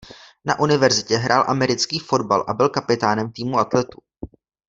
Na univerzitě hrál americký fotbal a byl kapitánem týmu atletů.